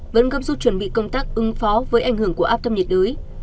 vẫn gấp rút chuẩn bị công tác ứng phó với ảnh hưởng của áp thấp nhiệt đới